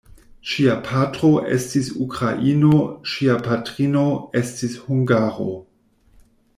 Ŝia patro estis ukraino, ŝia patrino estis hungaro.